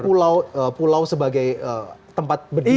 ini pada pulau sebagai tempat berdiri